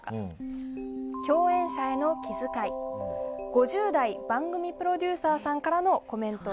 ５０代、番組プロデューサーさんからのコメント。